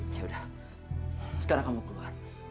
yaudah sekarang kamu keluar